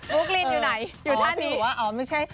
ลูกลีนอยู่ไหนอยู่ท่านนี้